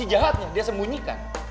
sisi jahatnya dia sembunyikan